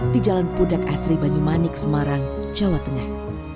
di jalan pudak asri banyumanik semarang jawa tengah